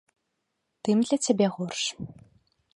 Тым для цябе горш.